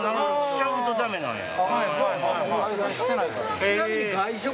しちゃうとダメなんや。